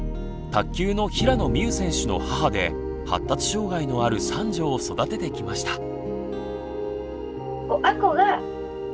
卓球の平野美宇選手の母で発達障害のある三女を育ててきました。